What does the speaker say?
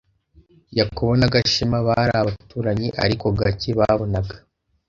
Yakobo na Gashema bari abaturanyi, ariko gake babonaga.